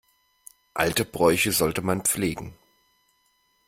Alte Bräuche sollte man pflegen.